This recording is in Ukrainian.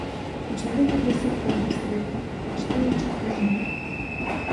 Почали люди серпи гострити, лаштуючись до жнив.